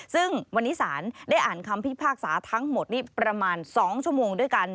ซึ่งวันนี้ศาลได้อ่านคำพิพากษาทั้งหมดนี้ประมาณ๒ชั่วโมงด้วยกัน